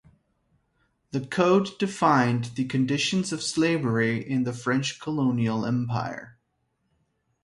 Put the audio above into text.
The code defined the conditions of slavery in the French colonial empire.